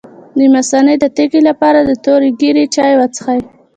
د مثانې د تیږې لپاره د تورې ږیرې چای وڅښئ